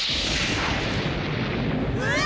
うわ！